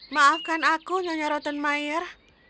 maafkan aku nyonya rottenmeier